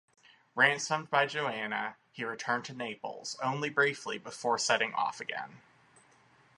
Ransomed by Joanna, he returned to Naples only briefly before setting off again.